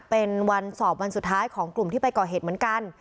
เป็นวันสอบวันสุดท้ายของกลุ่มที่ไปก่อเหตุเหมือนกัน